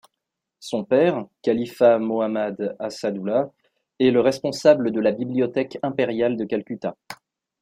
Son père, Khalifa Mohammad Asadullah, est le responsable de la Bibliothèque Impériale de Calcutta.